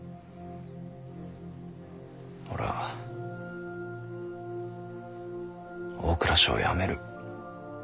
俺は大蔵省を辞める。